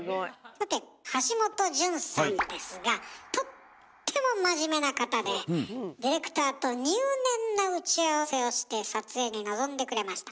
さて橋本じゅんさんですがディレクターと入念な打ち合わせをして撮影に臨んでくれました。